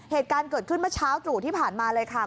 เหตุการณ์เกิดขึ้นเมื่อเช้าตรู่ที่ผ่านมาเลยค่ะ